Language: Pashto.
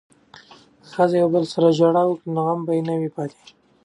که ښځې یو بل سره ژړا وکړي نو غم به نه وي پاتې.